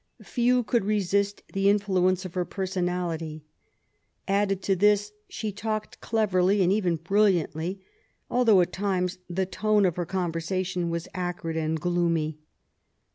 Few could resist the in ^uence of her personality. Added to this she talked cleverly, and even brilliantly, although, at times, the tone of her conversation was acrid and gloomy.